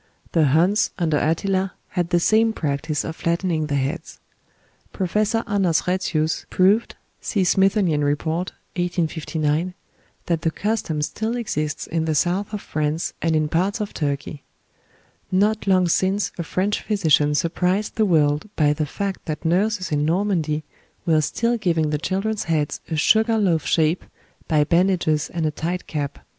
The Huns under Attila had the same practice of flattening the heads. Professor Anders Retzius proved (see "Smithsonian Report," 1859) that the custom still exists in the south of France, and in parts of Turkey. "Not long since a French physician surprised the world by the fact that nurses in Normandy were still giving the children's heads a sugar loaf shape by bandages and a tight cap, STUCCO BAS RELIEF IN THE PALACE OF PALENQUE.